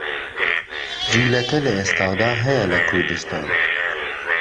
جولەکە لە ئێستادا هەیە لە کوردستان.